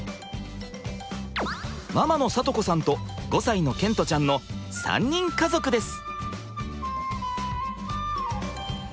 ママの恵子さんと５歳の賢澄ちゃんの３人家族です。